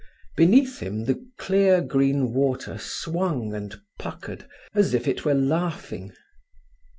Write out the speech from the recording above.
Beneath him the clear green water swung and puckered as if it were laughing.